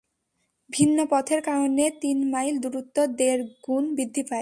ভিন্ন পথের কারণে তিন মাইল দূরত্ব দেড় গুণ বৃদ্ধি পায়।